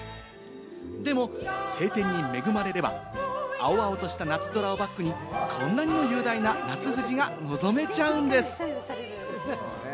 でも晴天に恵まれれば、青々とした夏空をバックにこんなにも雄大な夏富士が望めちゃうんです。